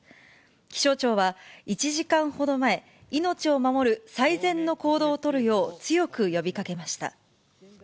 気象庁は１時間ほど前、命を守る最善の行動を取るよう強く呼びかけました。